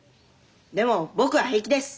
でも僕は平気です。